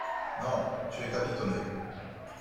Non ! tu es capitonné !